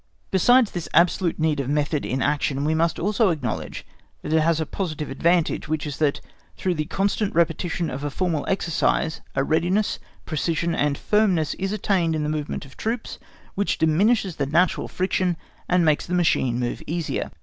Besides this absolute need of method in action, we must also acknowledge that it has a positive advantage, which is that, through the constant repetition of a formal exercise, a readiness, precision, and firmness is attained in the movement of troops which diminishes the natural friction, and makes the machine move easier.